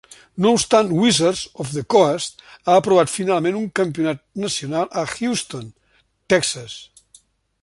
No obstant, Wizards of the Coast ha aprovat finalment un campionat nacional a Houston, Texas.